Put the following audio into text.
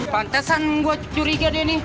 pantesan gue curiga deh ini